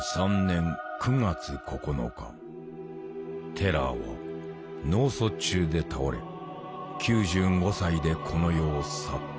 テラーは脳卒中で倒れ９５歳でこの世を去った。